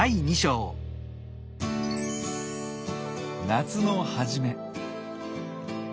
夏の初め。